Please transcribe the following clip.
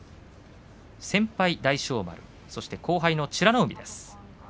先輩、大翔丸そして後輩、美ノ海です。